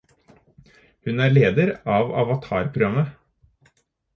Hun er leder av avatar programmet